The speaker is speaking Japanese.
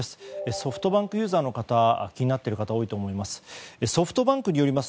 ソフトバンクユーザーの方気になっている方多いと思います。